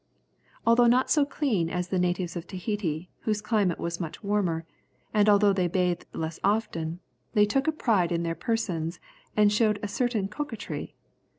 Although not so clean as the natives of Tahiti, whose climate is much warmer, and although they bathed less often, they took a pride in their persons, and showed a certain coquetry.